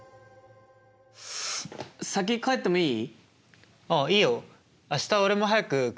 先帰ってもいい？